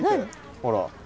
ほら。